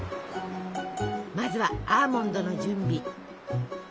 まずはアーモンドの準備。